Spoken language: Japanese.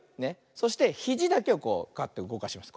そしてひじだけをこうガッてうごかします